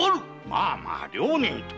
まあまあ両人とも